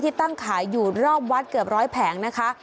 ตั้งขายอยู่รอบวัดเกือบร้อยแผงนะคะ